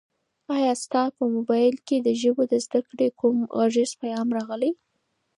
ایا ستا په موبایل کي د ژبو د زده کړې کوم غږیز پیغام راغلی؟